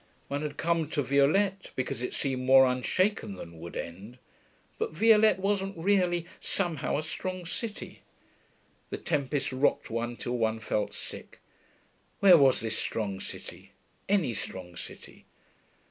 One had come to Violette because it seemed more unshaken than Wood End; but Violette wasn't really, somehow, a strong city. The tempests rocked one till one felt sick.... Where was this strong city, any strong city?